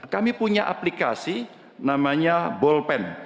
kami punya aplikasi namanya bolpen